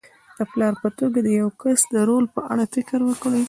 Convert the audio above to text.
د پلار په توګه د یوه کس د رول په اړه فکر وکړئ.